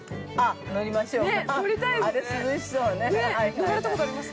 ◆乗られたことあります？